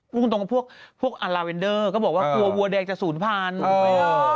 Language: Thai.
พูดตรงกับพวกอัลลาเวนเดอร์ก็บอกว่ากลัววัวแดงจะศูนย์พันธุ์